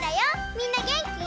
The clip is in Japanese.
みんなげんき？